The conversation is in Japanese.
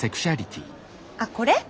あっこれ？